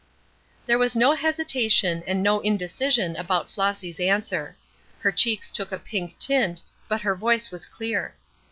There was no hesitation and no indecision about Flossy's answer. Her cheeks took a pink tint, but her voice was clear.